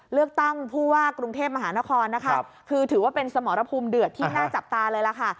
เลือกตั้งผู้ว่ากรุงเทพมหานครนะคะคือถือว่าเป็นสมรภูมิเดือดที่น่าจับตาเลยล่ะค่ะ